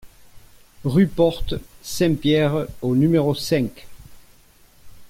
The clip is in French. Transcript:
Rue Porte Saint-Pierre au numéro cinq